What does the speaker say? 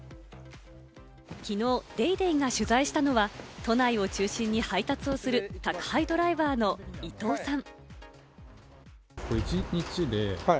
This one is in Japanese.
きのう『ＤａｙＤａｙ．』が取材したのは、都内を中心に配達をする宅配ドライバーの伊東さん。